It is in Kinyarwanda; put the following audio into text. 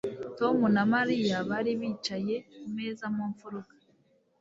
Tom na Mariya bari bicaye kumeza mu mfuruka.